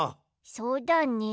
そうだね。